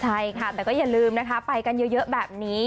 ใช่ค่ะแต่ก็อย่าลืมนะคะไปกันเยอะแบบนี้